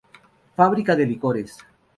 Fábrica de Licores.